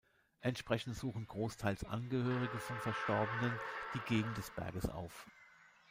Entsprechend suchen großteils Angehörige von Verstorbenen die Gegend des Berges auf.